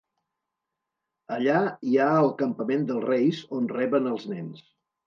Allà hi ha el campament dels reis, on reben els nens.